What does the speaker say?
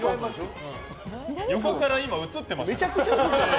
横から映ってますよ。